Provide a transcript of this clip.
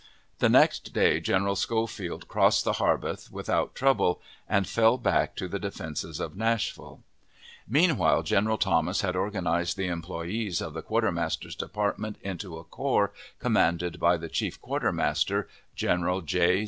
The next day General Schofield crossed the Harpeth without trouble, and fell back to the defenses of Nashville. Meantime General Thomas had organized the employees of the Quartermaster's Department into a corps, commanded by the chief quartermaster, General J.